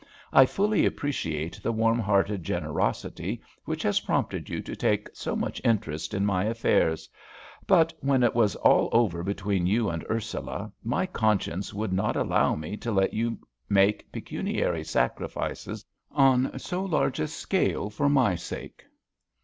I fully appreciate the warm hearted generosity which has prompted you to take so much interest in my affairs; but when it was all over between you and Ursula, my conscience would not allow me to let you make pecuniary sacrifices on so large a scale for my sake.